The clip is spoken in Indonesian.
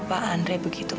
jangan letak teh